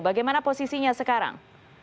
bagaimana posisinya sekarang